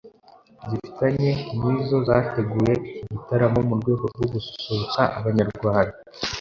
zifatanyije nizo zateguye iki gitaramo mu rwego rwo gusurutsa abanyarwanda